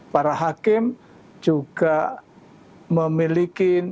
para hakim juga memiliki